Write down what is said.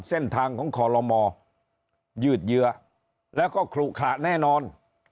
เส้นทางของคอลโลมยืดเยื้อแล้วก็ขลุขะแน่นอน